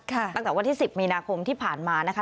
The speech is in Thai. ตั้งแต่วันที่๑๐มีนาคมที่ผ่านมานะคะ